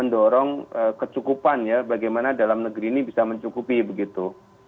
mendorong kecukupan ya bagaimana dalam negeri ini bisa mencukupi begitu